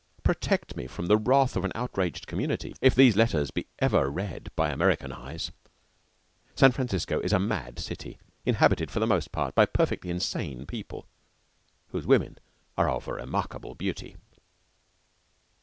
Protect me from the wrath of an outraged community if these letters be ever read by American eyes! San Francisco is a mad city inhabited for the most part by perfectly insane people, whose women are of a remarkable beauty.